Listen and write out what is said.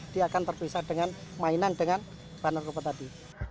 dia akan terpisah dengan mainan dengan bahan narkoba tadi